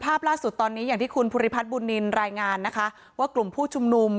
ภาพล่าสุดตอนนี้อย่างที่คุณภูริพัฒนบุญนินรายงานนะคะว่ากลุ่มผู้ชุมนุม